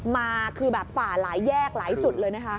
มาคือแบบฝ่าหลายแยกหลายจุดเลยนะคะ